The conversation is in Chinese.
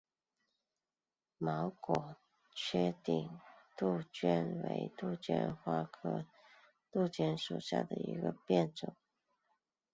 毛果缺顶杜鹃为杜鹃花科杜鹃属下的一个变种。